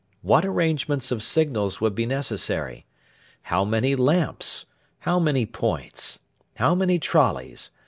What arrangements of signals would be necessary? How many lamps? How many points? How many trolleys?